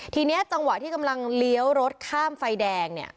ทีนี้จังหวะที่กำลังเลี้ยวรถข้ามไฟแดงเนี่ย